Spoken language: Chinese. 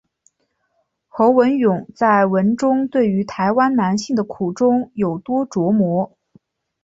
侯文咏在文中对于台湾男性的苦衷有多琢磨。